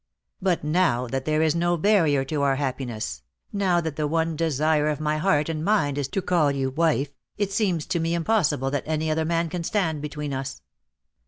"But now that there is no barrier to our happi ness, now that the one desire of my heart and mind is to call you wife, it seems to me impossible that any other man can stand between us.